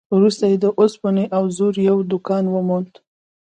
وروسته يې د اوسپنې او زرو يو کان وموند.